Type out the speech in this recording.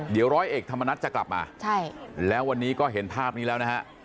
เดี๋ยวร้อยเอกธรรมนัฐจะกลับมาใช่แล้ววันนี้ก็เห็นภาพนี้แล้วนะฮะ